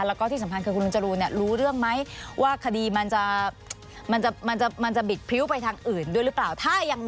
แล้วก็ที่สำคัญคือคุณลุงจรูนรู้เรื่องไหม